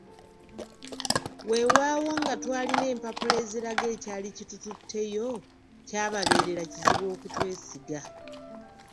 "Weewaawo nga twalina empapula eziraga ekyali kitututteyo, kyababeerera kizibu okutwesiga."